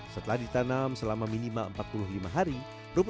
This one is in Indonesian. setelah ditanam selama minima empat puluh lima hari rumput laut ini juga bertumbuh